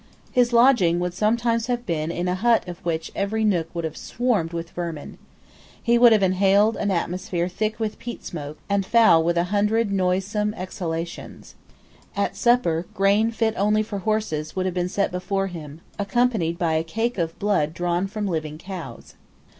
His lodging would sometimes have been in a but of which every nook would have swarmed with vermin. He would have inhaled an atmosphere thick with peat smoke, and foul with a hundred noisome exhalations. At supper grain fit only for horses would have been set before him, accompanied by a cake of blood drawn from living cows.